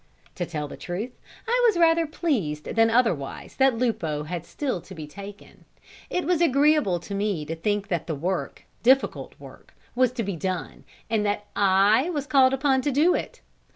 To tell the truth, I was rather pleased than otherwise that Lupo had still to be taken. It was agreeable to me to think that work, difficult work, was to be done, and that I was called upon to do it.